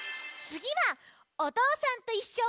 つぎは「おとうさんといっしょ」